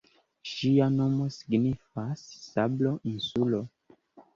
Ĝia nomo signifas "Sablo-insulo".